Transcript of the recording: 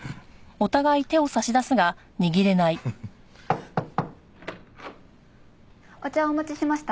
お茶をお持ちしました。